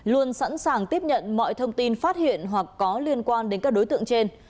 luôn sẵn sàng tiếp nhận mọi thông tin phát hiện hoặc có liên quan đến các đối tượng trên